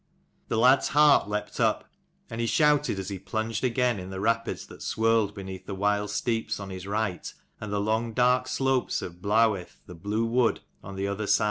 The lad's heart leapt up, and he shouted as he plunged again in the rapids that swirled beneath the wild steeps on his right, and the long dark slopes of Blawith, the Blue wood, on the other hand.